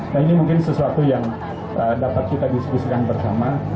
nah ini mungkin sesuatu yang dapat kita diskusikan bersama